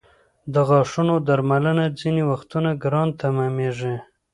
د غاښونو درملنه ځینې وختونه ګرانه تمامېږي.